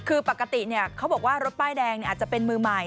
คือปกติเขาบอกว่ารถป้ายแดงอาจจะเป็นมือใหม่